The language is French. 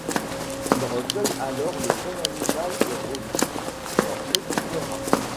Ils recueillent alors le jeune animal et Robby s'en occupera.